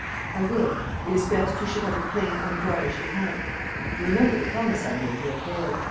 "I will. It is best you should have a plain unvarnished account. You remember the promise I made you at Hale?